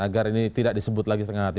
agar ini tidak disebut lagi setengah hati